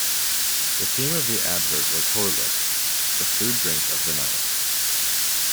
The theme of the advert was Horlicks - the food drink of the night.